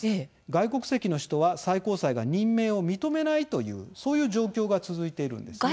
外国籍の人は、最高裁が任命を認めないというそういう状況が続いているんですね。